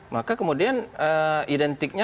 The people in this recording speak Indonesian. maka kemudian identiknya